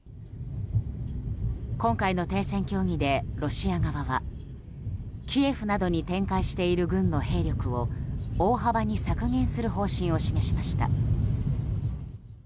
今回の停戦協議でロシア側はキエフなどに展開している軍の兵力を大幅に削減する方針を示しました。